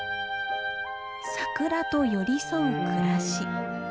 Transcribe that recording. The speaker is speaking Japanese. サクラと寄り添う暮らし。